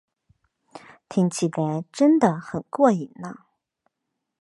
听起来真得很过瘾呢